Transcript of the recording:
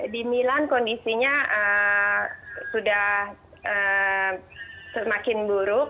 di milan kondisinya sudah semakin buruk